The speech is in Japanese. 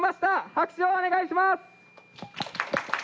拍手をお願いします！